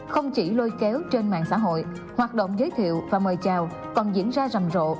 không chỉ lôi kéo trên mạng xã hội hoạt động giới thiệu và mời chào còn diễn ra rầm rộ